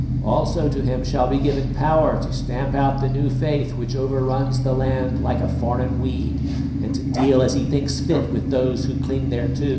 Also to him shall be given power to stamp out the new faith which overruns the land like a foreign weed, and to deal as he thinks fit with those who cling thereto.